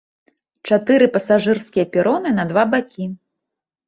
Чатыры пасажырскія пероны на два бакі.